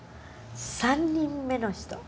３人目の人。